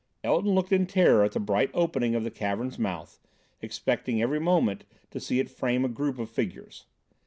Elton looked in terror at the bright opening of the cavern's mouth, expecting every moment to see it frame a group of figures.